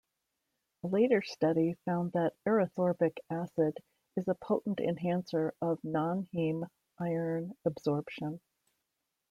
A later study found that erythorbic acid is a potent enhancer of nonheme-iron absorption.